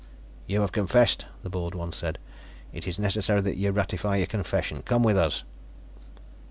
"You have confessed," the bald one said. "It is necessary that you ratify your confession. Come with us."